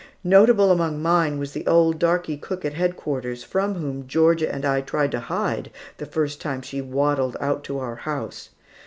Notable among mine was the old darkey cook at headquarters, from whom Georgia and I tried to hide, the first time she waddled out to our house.